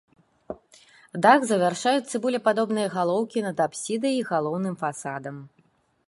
Дах завяршаюць цыбулепадобныя галоўкі над апсідай і галоўным фасадам.